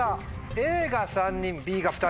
Ａが３人Ｂが２人。